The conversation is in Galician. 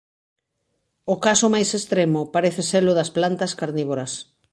O caso máis extremo parece ser o das plantas carnívoras.